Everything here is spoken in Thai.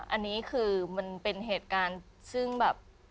อันนี้คือมันเป็นเหตุการณ์ซึ่งแบบ